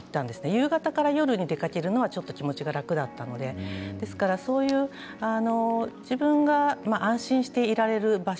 夕方から夜に出かけるのはちょっと気持ちが楽だったので自分が安心していられる場所